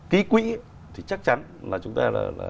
ký quỹ thì chắc chắn là chúng ta